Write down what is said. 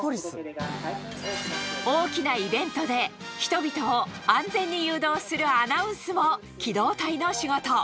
大きなイベントで、人々を安全に誘導するアナウンスも機動隊の仕事。